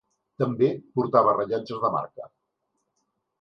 També portava rellotges de marca.